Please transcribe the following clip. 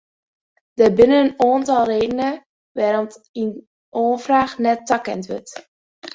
Der binne in oantal redenen wêrom't in oanfraach net takend wurdt.